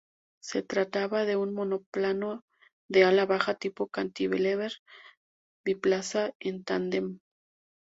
Se trataba de un monoplano de ala baja tipo cantilever, biplaza en tándem.